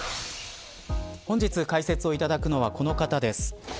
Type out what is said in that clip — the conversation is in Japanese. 本日、解説をいただくのはこの方です。